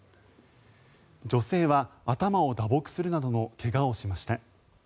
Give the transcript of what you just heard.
女性は頭を打撲するなどの怪我をしました。